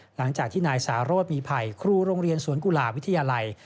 หลังจากที่นายสารสมีภัยครูโรงเรียนสวนกุหลาบวิทยาลัย